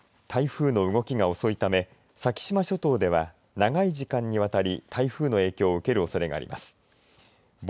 台風の動きが遅いため先島諸島では長い時間にわたり台風の影響を受けるおそれがあります。